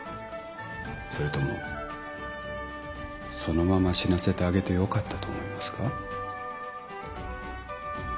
それともそのまま死なせてあげてよかったと思いますか。